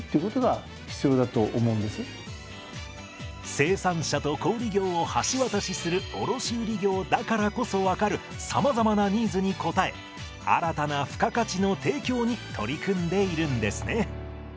生産者と小売業を橋渡しする卸売業だからこそ分かるさまざまなニーズに応え新たな付加価値の提供に取り組んでいるんですね。